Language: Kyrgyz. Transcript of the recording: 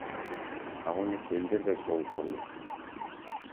Ал эмес элдер да чогулуп калды.